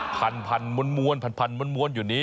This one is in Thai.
พันมวลอยู่นี้